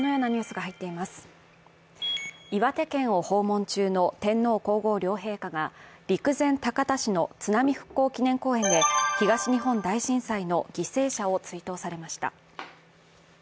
岩手県を訪問中の天皇皇后両陛下が陸前高田市の津波復興祈念公園で東日本大震災の犠牲者を追悼されました。